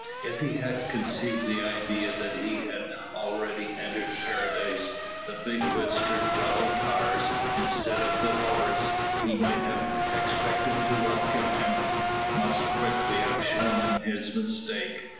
If he had conceived the idea that he had already entered Paradise, the big whiskered jolly tars, instead of the houris he might have expected to welcome him, must quickly have shown him his mistake.